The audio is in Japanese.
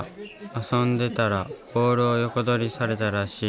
遊んでたらボールを横取りされたらしい。